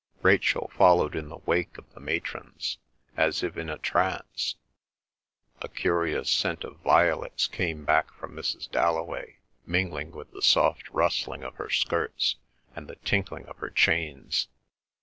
Rachel followed in the wake of the matrons, as if in a trance; a curious scent of violets came back from Mrs. Dalloway, mingling with the soft rustling of her skirts, and the tinkling of her chains.